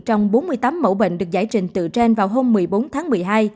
trong bốn mươi tám mẫu bệnh được giải trình tự trên vào hôm một mươi bốn tháng một mươi hai